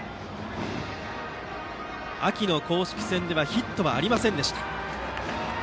秋の公式戦ではヒットはありませんでした。